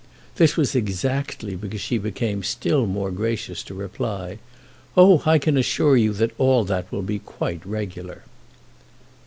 This was exactly because she became still more gracious to reply: "Oh I can assure you that all that will be quite regular."